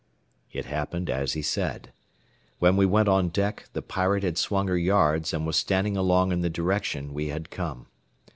It happened as he said. When we went on deck, the Pirate had swung her yards and was standing along in the direction we had come.